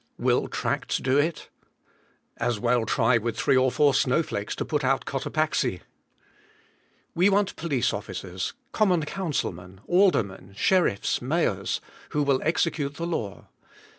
Will tracts do it? As well try with three or four snow flakes to put out Cotapaxi! We want police officers, common councilmen, aldermen, sheriffs, mayors, who will execute the law.